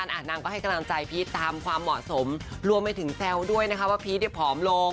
นางก็ให้กำลังใจพีชตามความเหมาะสมรวมไปถึงแซวด้วยนะคะว่าพีชเนี่ยผอมลง